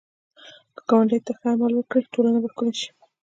که ګاونډي ته ښه عمل وکړې، ټولنه به ښکلې شي